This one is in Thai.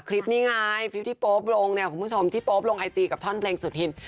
คลิปนี้ไงคลิปที่โป๊ปลงที่โป๊ปลงไอจีกับท่อนเพลงสุดทิน